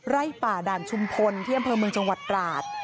ป่าด่านชุมพลที่อำเภอเมืองจังหวัดตราด